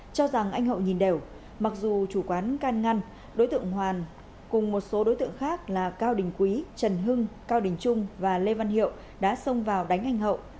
cho rằng anh hậu nhìn đều mặc dù chủ quán can ngăn đối tượng hoàn cùng một số đối tượng khác là cao đình quý trần hưng cao đình trung và lê văn hiệu đã xông vào đánh anh hậu